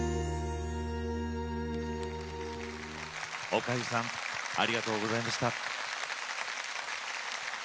おかゆさんありがとうございました。